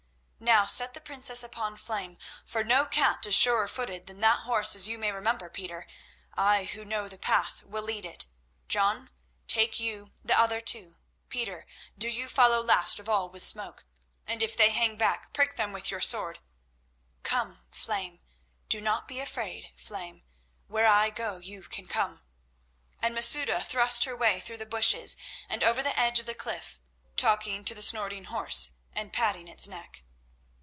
Now set the princess upon Flame, for no cat is surer footed than that horse, as you may remember, Peter. I who know the path will lead it. John, take you the other two; Peter, do you follow last of all with Smoke, and, if they hang back, prick them with your sword. Come, Flame, be not afraid, Flame. Where I go, you can come," and Masouda thrust her way through the bushes and over the edge of the cliff, talking to the snorting horse and patting its neck.